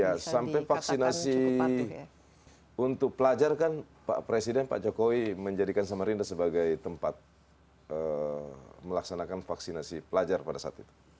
ya sampai vaksinasi untuk pelajar kan pak presiden pak jokowi menjadikan samarinda sebagai tempat melaksanakan vaksinasi pelajar pada saat itu